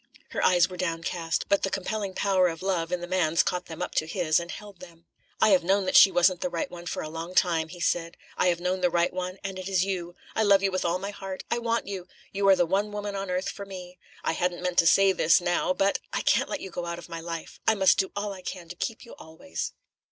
Her eyes were downcast, but the compelling power of love in the man's caught them up to his and held them. "I have known that she wasn't the right one for a long time," he said. "I have known the right one, and it is you. I love you with all my heart. I want you. You are the one woman on earth for me. I hadn't meant to say this now, but I can't let you go out of my life. I must do all I can to keep you always."